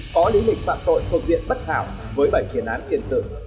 có lý lịch phạm tội thuộc diện bất hảo với bảy kiến án tiền sự